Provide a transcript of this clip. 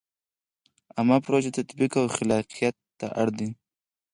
عامه پروژو تطبیق او خلاقیت ته اړ دی.